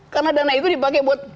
karena dana itu dipakai buat